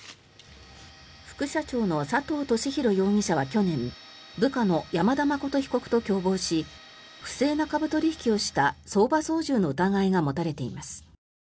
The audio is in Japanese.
副社長の佐藤俊弘容疑者は去年部下の山田誠被告と共謀し不正な株取引をした相場操縦の疑いが持たれています。